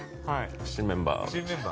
新メンバー。